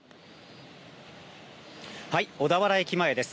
はい、小田原駅前です。